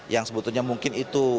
yang sebetulnya mungkin itu